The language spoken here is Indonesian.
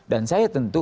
dan saya tentu